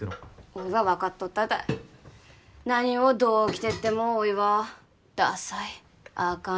おいは分かっとったたい何をどう着てってもおいはダサいあかん